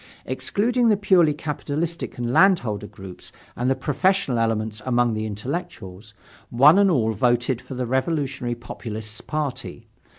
Excluding the purely capitalistic and landholder groups and the professional elements among the intellectuals, one and all voted for the revolutionary populists' party.